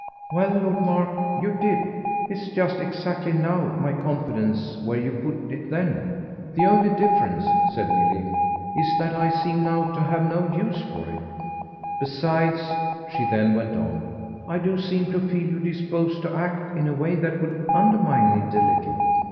"Well, Lord Mark, you did it's just exactly now, my confidence, where you put it then. The only difference," said Milly, "is that I seem now to have no use for it. Besides," she then went on, "I do seem to feel you disposed to act in a way that would undermine it a little."